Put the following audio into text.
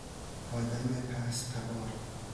آدم پستتبار